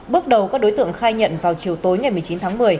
bước đầu các đối tượng khai nhận vào chiều tối ngày một mươi chín tháng một mươi